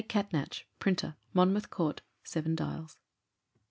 Catnach, Printer, Monmouth Court, Seven Dials.